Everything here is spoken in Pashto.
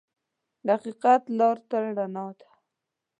د حقیقت لار تل رڼا ده.